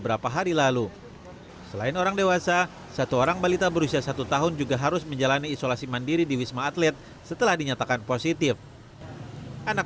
ada kasus baru klas terdiri sebuah workshop di wilayah kecamatan setiabudi